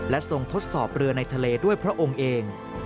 ทรงทดสอบเรือในทะเลด้วยพระองค์เอง